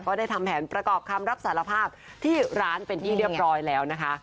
ได้ทำแผนประกอบคำรับสารภาพที่ร้านเป็นที่เรียบร้อยแล้วนะคะ